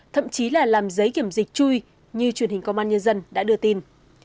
thậm chí là làm giấy kiểm dịch chui như truyền hình công an nhân dân đã đưa tin